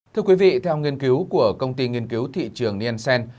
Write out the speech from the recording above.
thưa quý vị theo nghiên cứu của công ty nghiên cứu thị trường nien sen